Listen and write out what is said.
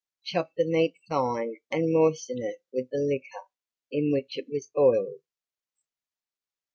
Chop the neat fine and moisten it with the liquor in which it was boiled.